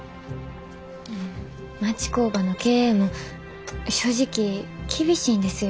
町工場の経営も正直厳しいんですよ。